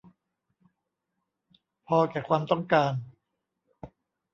พอแก่ความต้องการ